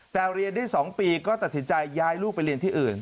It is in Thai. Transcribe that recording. แต่เรียนได้๒ปีก็ตัดสินใจย้ายลูกไปเรียนที่อื่น